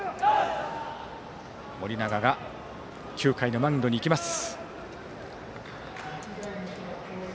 盛永が９回のマウンドに行きます。